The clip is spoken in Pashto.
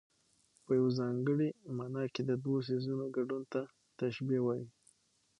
په یوه ځانګړې مانا کې د دوو څيزونو ګډون ته تشبېه وايي.